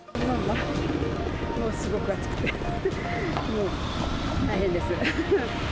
もうすごく暑くて、もう大変です。